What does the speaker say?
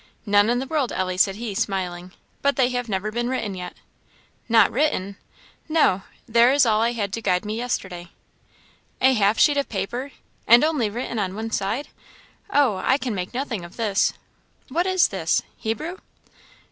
"None in the world, Ellie," said he, smiling; "but they have never been written yet." "Not written!" "No there is all I had to guide me yesterday." "A half sheet of paper! and only written on one side! Oh, I can make nothing of this. What is this? Hebrew?"